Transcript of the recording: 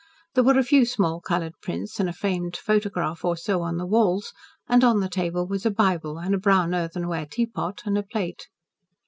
There were a few small coloured prints, and a framed photograph or so on the walls, and on the table was a Bible, and a brown earthenware teapot, and a plate.